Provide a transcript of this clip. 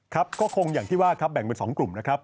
ครับก็คงอย่างที่ว่าครับแบ่งเป็น๒กลุ่มนะครับ